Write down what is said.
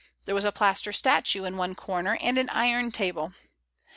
There was a plaster statue in one comer, and an iron table.